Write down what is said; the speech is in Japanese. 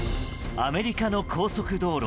アメリカの高速道路。